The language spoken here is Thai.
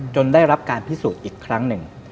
ได้รับการพิสูจน์อีกครั้งหนึ่ง